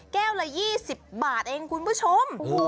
ละ๒๐บาทเองคุณผู้ชม